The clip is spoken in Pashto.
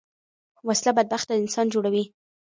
وسله بدبخته انسان جوړوي